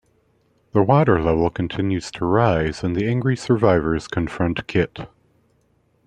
The water level continues to rise and the angry survivors confront Kit.